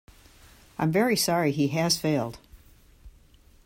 I’m very sorry he has failed.